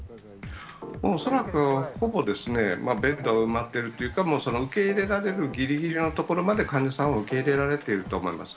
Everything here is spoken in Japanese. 恐らくほぼベッドは埋まっているというか、受け入れられるぎりぎりのところまで、患者さんを受け入れられていると思います。